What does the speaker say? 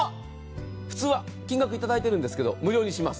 普通は金額いただいているんですけど無料にします。